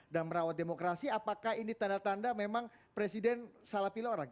merawat demokrasi apakah ini tanda tanda memang presiden salah pilih orang